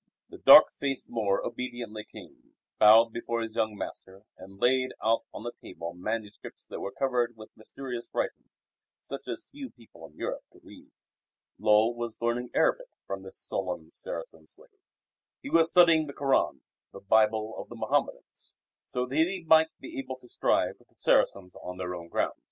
The dark faced Moor obediently came, bowed before his young master, and laid out on the table manuscripts that were covered with mysterious writing such as few people in Europe could read. Lull was learning Arabic from this sullen Saracen slave. He was studying the Koran the Bible of the Mohammedans so that he might be able to strive with the Saracens on their own ground.